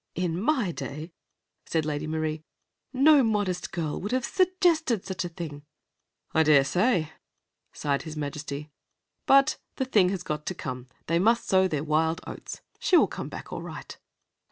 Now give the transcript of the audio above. "In my day," said Lady Marie, "no modest girl would have suggested such a thing." "I dare say," sighed his Majesty; "but the thing has got to come; they must sow their wild oats! She will come back all right."